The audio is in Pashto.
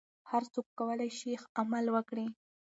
هر څوک کولای شي عمل وکړي.